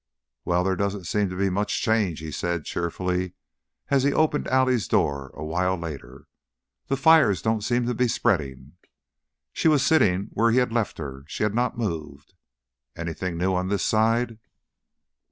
"Well, there doesn't seem to be much change," he said, cheerfully, as he opened Allie's door awhile later. "The fires don't seem to be spreading." She was sitting where he had left her, she had not moved. "Anything new on this side?"